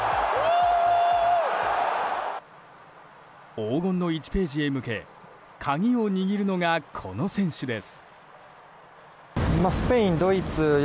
黄金の１ページへ向け鍵を握るのが、この選手です。